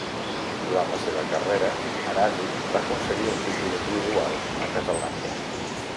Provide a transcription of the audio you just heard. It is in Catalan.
Durant la seva carrera, Arazi va aconseguir un títol individual a Casablanca.